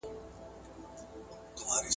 زه کولای سم وخت تېرووم.